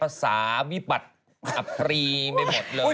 ภาษาวิบัติอับพรีไปหมดเลย